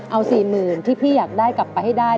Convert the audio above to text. เอา๔๐๐๐ที่พี่อยากได้กลับไปให้ได้